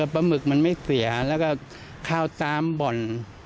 หมึกมันไม่เสียแล้วก็ข้าวตามบ่อน